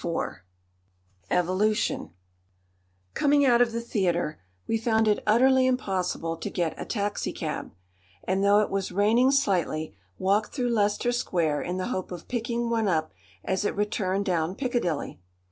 1910 EVOLUTION Coming out of the theatre, we found it utterly impossible to get a taxicab; and, though it was raining slightly, walked through Leicester Square in the hope of picking one up as it returned down Piccadilly.